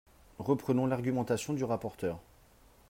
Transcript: Reprenons l’argumentation du rapporteur.